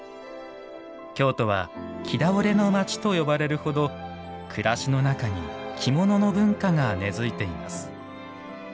京都は「着倒れの町」と呼ばれるほど暮らしの中に着物の文化が根づいています。